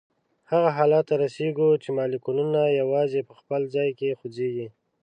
هغه حالت ته رسیږو چې مالیکولونه یوازي په خپل ځای کې خوځیږي.